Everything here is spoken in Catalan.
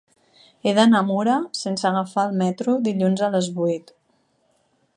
He d'anar a Mura sense agafar el metro dilluns a les vuit.